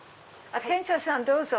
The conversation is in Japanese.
店長さんどうぞ。